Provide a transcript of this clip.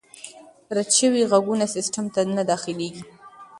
رد شوي ږغونه سیسټم ته نه داخلیږي.